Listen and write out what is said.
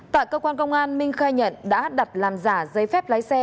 tại cơ quan công an minh khai nhận đã đặt làm giả giấy phép lái xe